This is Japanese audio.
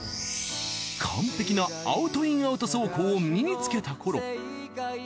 完璧なアウト・イン・アウト走行を身につけた頃。